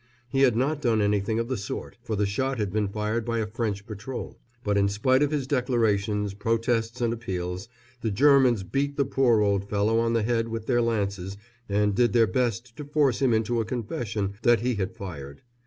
He had not done anything of the sort, for the shot had been fired by a French patrol; but in spite of his declarations, protests and appeals, the Germans beat the poor old fellow on the head with their lances and did their best to force him into a confession that he had fired.